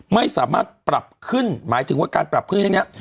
ไม่สามารถปรับขึ้นหมายถึงว่าการปรับขึ้นเรื่องนี้